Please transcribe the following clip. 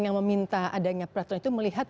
yang meminta adanya peraturan itu melihat